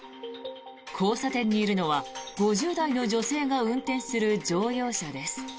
交差点にいるのは５０代の女性が運転する乗用車です。